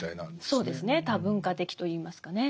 そうですね多文化的と言いますかね。